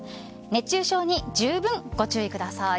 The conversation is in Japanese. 熱中症にじゅうぶんご注意ください。